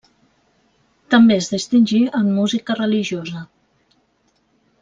També es distingí en música religiosa.